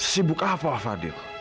sibuk apa fadil